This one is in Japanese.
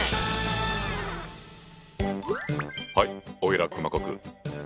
はいおいら熊悟空。